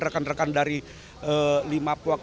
rekan rekan dari lima pihak